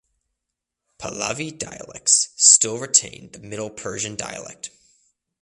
Pahlavi dialects still retain the Middle Persian dialect.